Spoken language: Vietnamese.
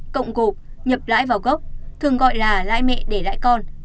cộng gộp nhập lãi vào gốc thường gọi là lãi mẹ để lãi con